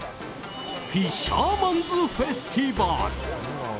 フィッシャーマンズフェスティバル。